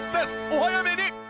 お早めに！